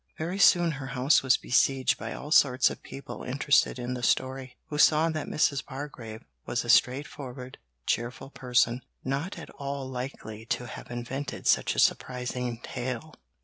Very soon her house was besieged by all sorts of people interested in the story, who saw that Mrs. Bargrave was a straightforward, cheerful person, not at all likely to have invented such a surprising tale.